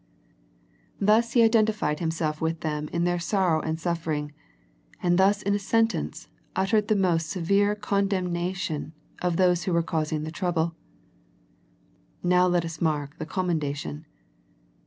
Thus He identified Himself with them in their sorrow and suffering, and thus in a sen tence uttered the most severe condemnation of those who were causing the trouble. Now let us mark the commendation.